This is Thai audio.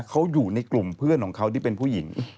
เขาอยู่ในกลุ่มเพื่อนของเขาที่เป็นผู้หญิง